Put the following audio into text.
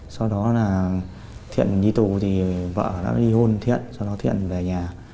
sau đó là thiện đi tù thì vợ đã đi hôn thiện sau đó thiện về nhà